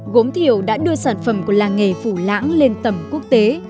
gốm thiểu đã đưa sản phẩm của làng nghề phủ lãng lên tầm quốc tế